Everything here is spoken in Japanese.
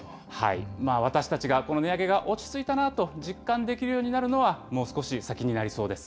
私たちが、この値上げが落ち着いたなと実感できるようになるのは、もう少し先になりそうです。